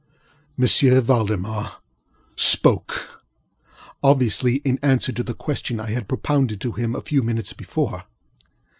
M. Valdemar spokeŌĆöobviously in reply to the question I had propounded to him a few minutes before.